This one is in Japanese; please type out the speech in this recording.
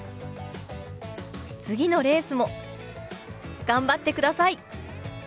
次のレースも頑張ってください！